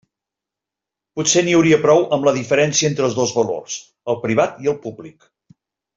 Potser n'hi hauria prou amb la diferència entre els dos valors, el privat i el públic.